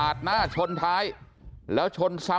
ครับพี่หนูเป็นช้างแต่งหน้านะ